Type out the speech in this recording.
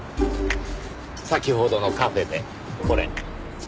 先ほどのカフェでこれ。